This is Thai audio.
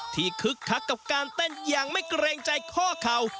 คึกคักกับการเต้นอย่างไม่เกรงใจข้อเข่า